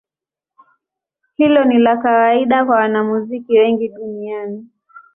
Hilo ni la kawaida kwa wanamuziki wengi duniani.